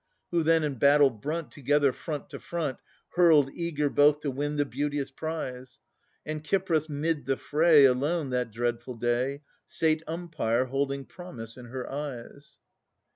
Who then in battle brunt, Together, front to front, Hurled, eager both to win the beauteous prize; And Cypris 'mid the fray Alone, that dreadful day, Sate umpire, holding promise in her eyes.